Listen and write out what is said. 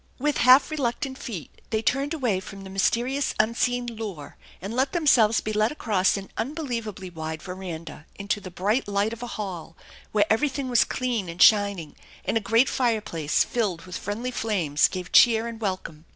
With half reluctant feet they turned away from the mys terious unseen lure and let themselves be led across an un believably wide veranda into the bright light of a hall, where everything was clean and shining, and a great fireplace filled with friendly flames gave cheer and welcome.